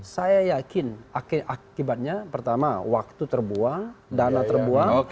saya yakin akibatnya pertama waktu terbuang dana terbuang